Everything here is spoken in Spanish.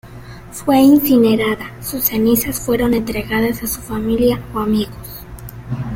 Fue incinerada, sus cenizas fueron entregadas a su familia o amigos.